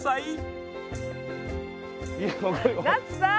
なつさん！